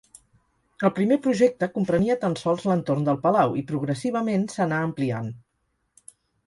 El primer projecte comprenia tan sols l'entorn del palau i progressivament s'anà ampliant.